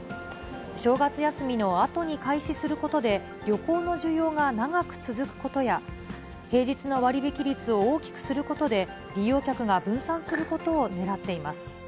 正月休みのあとに開始することで、旅行の需要が長く続くことや、平日の割引率を大きくすることで、利用客が分散することをねらっています。